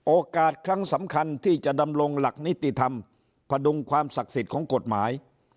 โอกาสครั้งสำคัญที่จะดำรงหลักนิติธรรมพดุงความศักดิ์สิทธิ์ของกฎหมาย